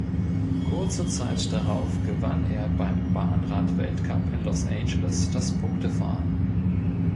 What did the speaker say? Kurze Zeit darauf gewann er beim Bahnrad-Weltcup in Los Angeles das Punktefahren.